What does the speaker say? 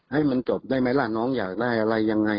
ให้มันจบได้ไหมล่ะน้องอยากได้อะไรยังไง